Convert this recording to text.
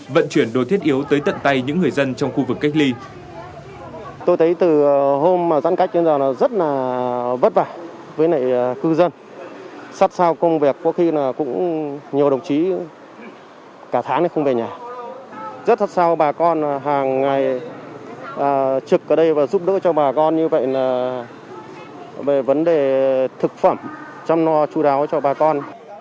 vận chuyển đồ thiết yếu tới tận tay những người dân trong khu vực cách ly